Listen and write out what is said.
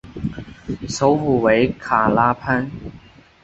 首府为卡拉潘。